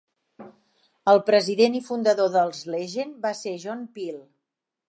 El president i fundador dels Legend va ser John Peel.